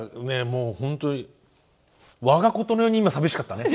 もう本当に我がことのように今寂しかったね。